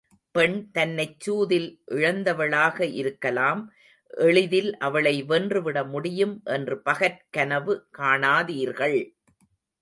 பெண் தன்னைச்சூதில் இழந்தவளாக இருக்கலாம் எளிதில் அவளை வென்று விடமுடியும் என்று பகற்கனவு காணாதீர்கள்.